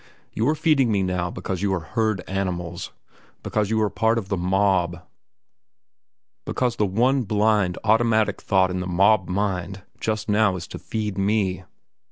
You are feeding me now because you are herd animals; because you are part of the mob; because the one blind, automatic thought in the mob mind just now is to feed me.